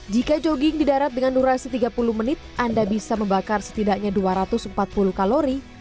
jika jogging di darat dengan durasi tiga puluh menit anda bisa membakar setidaknya dua ratus empat puluh kalori